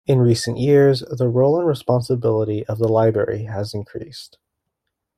In recent years, the role and responsibility of the library has increased.